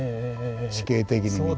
地形的に見て